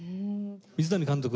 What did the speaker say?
水谷監督